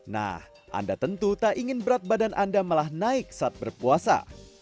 nah anda tentu tak ingin berat badan anda malah naik saat berpuasa